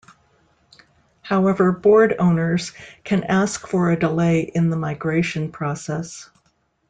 However, board owners can ask for a delay in the migration process.